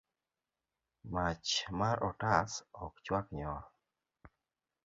Mach mar otas ok chwak nyoyo.